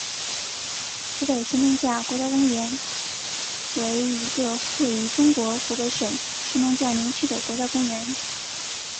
湖北神农架国家公园为一个位于中国湖北省神农架林区的国家公园。